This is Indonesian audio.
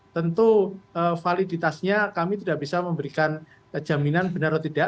tentu validitasnya kami tidak bisa memberikan jaminan benar atau tidak